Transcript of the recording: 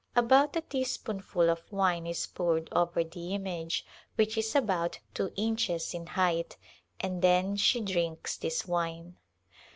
About a teaspoonful of wine is poured over the image, which is about two inches in height, and then she drinks this wine.